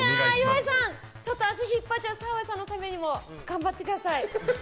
岩井さんちょっと足引っ張っちゃう澤部さんのためにも頑張ってください。